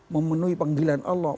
memenuhi panggilan allah